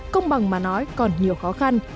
công bằng mà nói còn nhiều khó khăn